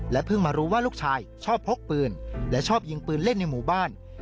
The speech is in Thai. เพิ่งมารู้ว่าลูกชายชอบพกปืนและชอบยิงปืนเล่นในหมู่บ้าน